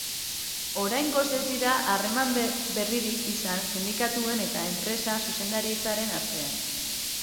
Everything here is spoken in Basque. Oraingoz ez dira harreman berririk izan sindikatuen eta enpresa zuzendaritzaren artean.